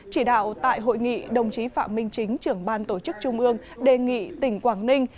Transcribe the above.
chỉ đạo tại hội nghị đồng chí phạm minh chính trưởng ban tổ chức trung ương đề nghị tỉnh quảng ninh